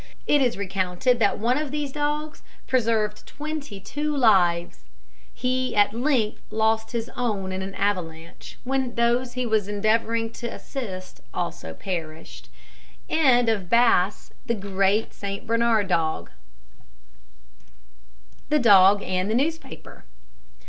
It is recounted that one of these dogs preserved twenty two lives. He at length lost his own in an avalanche, when those he was endeavouring to assist also perished. THE DOG AND THE NEWSPAPER.